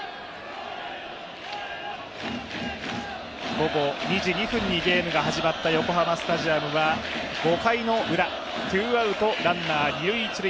午後２時２分でゲームが始まった横浜スタジアムは５回ウラ、ツーアウトランナー二・一塁。